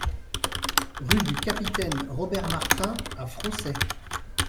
Rue du Capitaine Robert Martin à Frossay